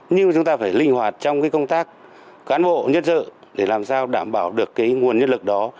nhưng chúng ta phải linh hoạt trong công tác cán bộ nhân dự để làm sao đảm bảo được nguồn nhân lực đó